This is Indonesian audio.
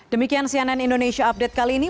demikian cnn indonesia update kali ini